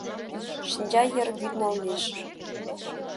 Шинча йыр вӱд налмеш.